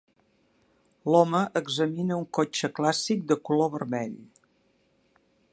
L"home examina un cotxe clàssic de color vermell.